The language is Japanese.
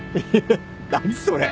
何それ！？